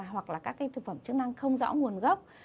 hoặc là các cái thực phẩm chức năng không rõ nguồn gốc